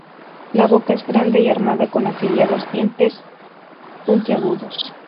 La boca es grande y armada con afilados dientes puntiagudos.